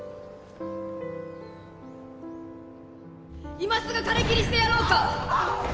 今すぐ枯れ木にしてやろうか！